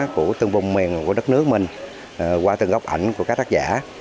của từng vùng miền của đất nước mình qua từng góc ảnh của các tác giả